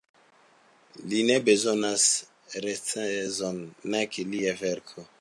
Li ne bezonas recenzon, nek lia verko.